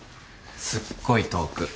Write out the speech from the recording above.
すっごい遠く。